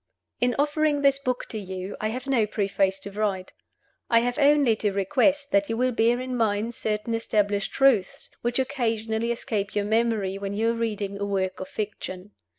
IN offering this book to you, I have no Preface to write. I have only to request that you will bear in mind certain established truths, which occasionally escape your memory when you are reading a work of fiction.